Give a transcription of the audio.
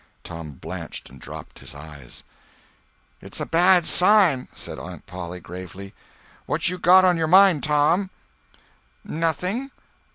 Tom blanched and dropped his eyes. "It's a bad sign," said Aunt Polly, gravely. "What you got on your mind, Tom?" "Nothing.